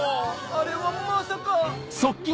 あれはまさか！